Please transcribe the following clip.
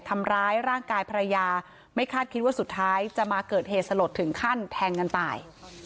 ทำร้ายร่างกายภรรยาไม่คาดคิดว่าสุดท้ายจะมาเกิดเหตุสลดถึงขั้นแทงกันตาย